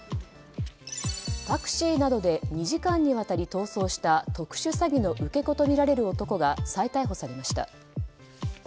タクシーなどで２時間にわたり逃走した特殊詐欺の受け子とみられる男が再逮捕されました。